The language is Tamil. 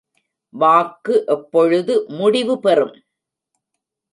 வாக்கு எப்பொழுது முடிவு பெறும்?